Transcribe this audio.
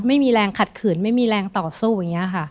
ไม่มีแรงขัดขืนไม่มีแรงต่อสู้อย่างนี้ค่ะ